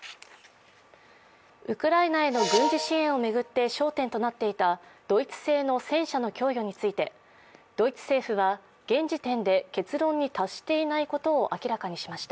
ウクライナへの軍事支援を巡って焦点となっていたドイツ製の戦車の供与についてドイツ政府は現時点で結論に達していないことを明らかにしました。